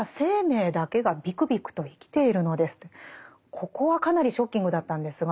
ここはかなりショッキングだったんですが。